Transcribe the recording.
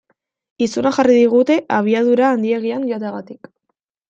Izuna jarri digute abiadura handiegian joateagatik.